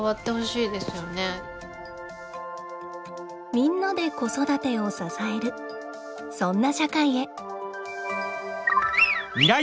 みんなで子育てを支えるそんな社会へ。